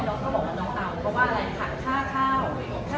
แล้วก็บอกว่าน้องดาวรวดอะไรถาดค่าเข้า